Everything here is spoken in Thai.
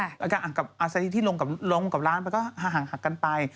แล้วอาจารย์ที่ลงกับร้านก็ห่างทรักกันไป